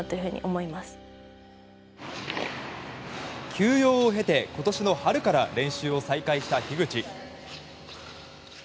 休養を経て、今年の春から練習を再開した樋口。